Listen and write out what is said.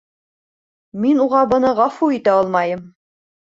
Мин уға быны ғәфү итә алмайым